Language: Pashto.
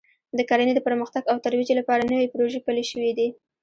د کرنې د پرمختګ او ترویج لپاره نوې پروژې پلې شوې دي